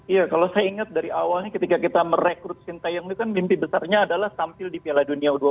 iya kalau saya ingat dari awalnya ketika kita merekrut sintayong itu kan mimpi besarnya adalah tampil di piala dunia u dua puluh